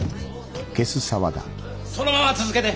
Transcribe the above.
そのまま続けて。